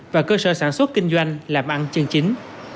và cơ sở sản xuất kinh doanh làm ăn chân chính